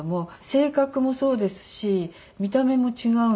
性格もそうですし見た目も違うので。